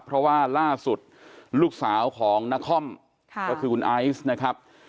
เพราะว่าล่าสุดลูกสาวของนครก็คือคุณไอซ์นะครับ